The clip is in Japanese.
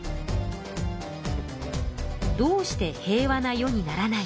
どうして平和な世にならないのか。